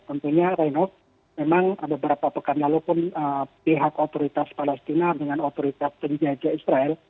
tentunya renov memang beberapa pekan lalu pun pihak otoritas palestina dengan otoritas penjaga israel